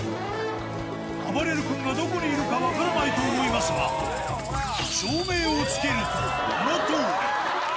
あばれる君がどこにいるか分からないと思いますが、照明をつけるとこのとおり。